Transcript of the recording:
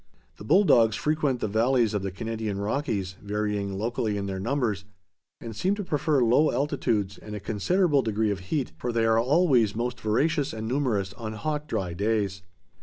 The bull dogs frequent the valleys of the Canadian Rockies, varying locally in their numbers, and seem to prefer low altitudes and a considerable degree of heat, for they are always most voracious and numerous on hot dry days.